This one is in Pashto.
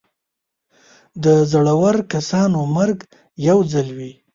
د زړور کسانو مرګ یو ځل وي.